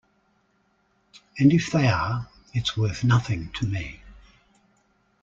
And if they are, it's worth nothing to me.